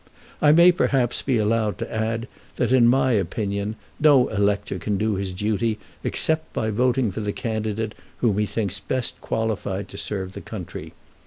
I may perhaps be allowed to add that, in my opinion, no elector can do his duty except by voting for the candidate whom he thinks best qualified to serve the country.